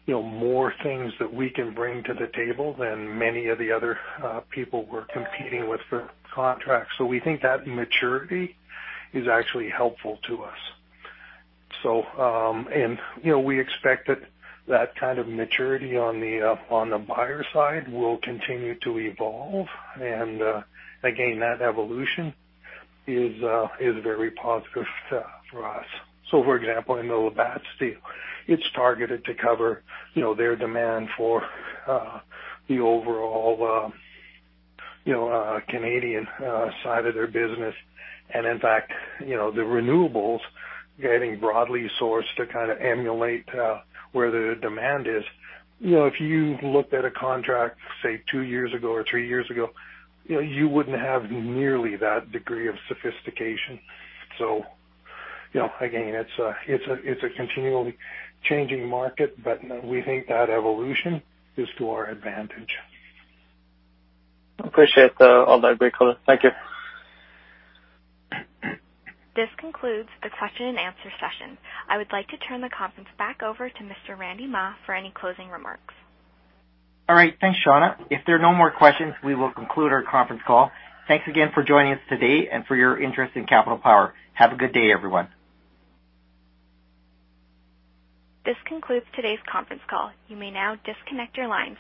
more things that we can bring to the table than many of the other people we're competing with for contracts. We think that maturity is actually helpful to us. We expect that that kind of maturity on the buyer side will continue to evolve. Again, that evolution is very positive for us. For example, in the Labatt deal, it's targeted to cover their demand for the overall Canadian side of their business. In fact, the renewables getting broadly sourced to kind of emulate where the demand is. If you looked at a contract, say two years ago or three years ago, you wouldn't have nearly that degree of sophistication. Again, it's a continually changing market, but we think that evolution is to our advantage. Appreciate all that great color. Thank you. This concludes the question-and-answer session. I would like to turn the conference back over to Mr. Randy Mah for any closing remarks. All right. Thanks, Shauna. If there are no more questions, we will conclude our conference call. Thanks again for joining us today and for your interest in Capital Power. Have a good day, everyone. This concludes today's conference call. You may now disconnect your lines.